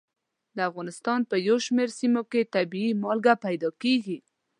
د افغانستان په یو شمېر سیمو کې طبیعي مالګه پیدا کېږي.